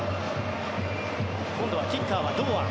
今度はキッカーは堂安。